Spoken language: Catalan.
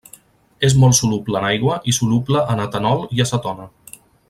És molt soluble en aigua i soluble en etanol i acetona.